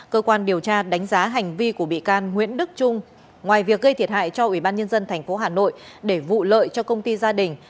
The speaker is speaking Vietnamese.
cơ quan điều tra đánh giá hành vi của bị can nguyễn đức trung ngoài việc gây thiệt hại cho ubnd tp hà nội để vụ lợi cho công ty gia đình